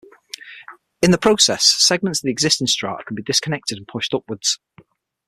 In the process, segments of the existing strata can be disconnected and pushed upwards.